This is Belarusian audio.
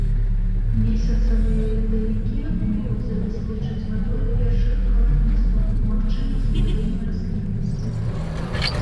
Месяцавыя ледавікі могуць забяспечыць вадой першых каланістаў, магчыма з'яўленне расліннасці.